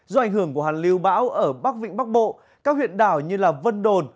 do ảnh hưởng của hàn lưu bão ở bắc vịnh bắc bộ các huyện đảo như vân đồn